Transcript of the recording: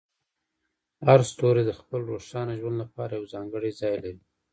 هر ستوری د خپل روښانه ژوند لپاره یو ځانګړی ځای لري.